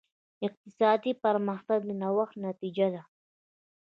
اقتصادي پرمختګ د نوښت نتیجه ده.